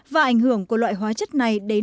và ảnh hưởng của loại hóa chất này